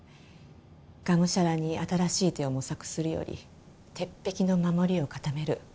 がむしゃらに新しい手を模索するより鉄壁の守りを固める。